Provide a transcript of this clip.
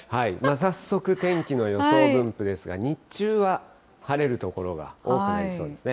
早速天気の予想分布ですが、日中は晴れる所が多くなりそうですね。